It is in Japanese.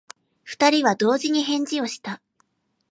二人は同時に返事をした。